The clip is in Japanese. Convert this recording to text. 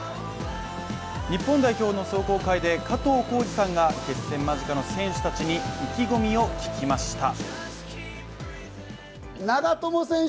日本代表の壮行会で、加藤浩次さんが決戦間近の選手たちに意気込みを聞きました。